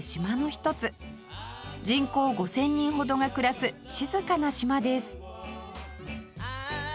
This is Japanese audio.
人口５０００人ほどが暮らす静かな島です